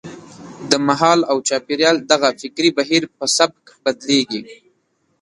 د مهال او چاپېریال دغه فکري بهیر په سبک بدلېږي.